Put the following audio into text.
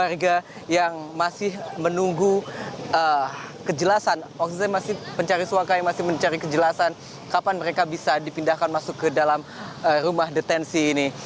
warga yang masih menunggu kejelasan maksudnya masih pencari suaka yang masih mencari kejelasan kapan mereka bisa dipindahkan masuk ke dalam rumah detensi ini